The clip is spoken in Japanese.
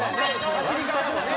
走り方もね。